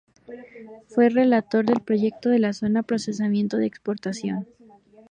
Fue relator del proyecto de la Zona de Procesamiento de Exportación.